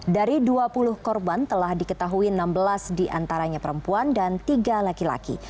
dari dua puluh korban telah diketahui enam belas diantaranya perempuan dan tiga laki laki